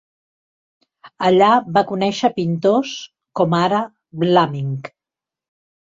Allà va conèixer pintors, com ara Vlaminck.